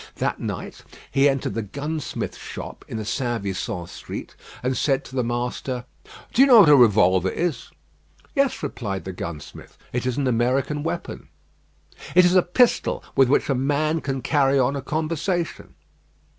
That night he entered the gunsmith's shop in the St. Vincent Street, and said to the master: "Do you know what a revolver is?" "Yes," replied the gunsmith. "It is an American weapon." "It is a pistol with which a man can carry on a conversation."